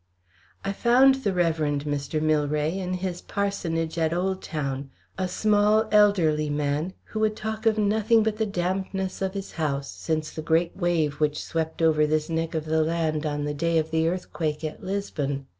I found the Rev. Mr. Milray in his parsonage at Old Town, a small, elderly man, who would talk of nothing but the dampness of his house since the great wave which swept over this neck of land on the day of the earthquake at Lisbon.